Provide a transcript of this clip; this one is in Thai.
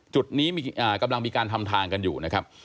จุดนี้กำลังมีการทำทางกันอยู่นะครับ